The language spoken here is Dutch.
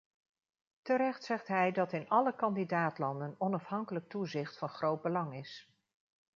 Terecht zegt hij dat in alle kandidaat-landen onafhankelijk toezicht van groot belang is.